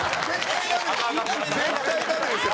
絶対ダメです！